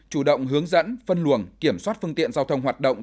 chủ động hướng dẫn phân luồng kiểm soát phương tiện giao thông hoạt động